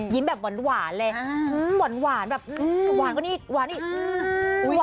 ยิ้มแบบหวานเลย